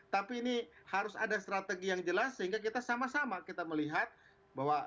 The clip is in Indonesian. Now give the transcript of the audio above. tapi ini harus ada strategi yang jelas sehingga kita sama sama kita melihat bahwa